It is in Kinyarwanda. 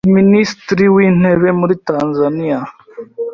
minisitiri w'intebe muri Tanzania